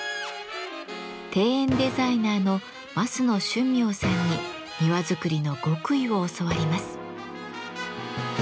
庭園デザイナーの枡野俊明さんに庭作りの極意を教わります。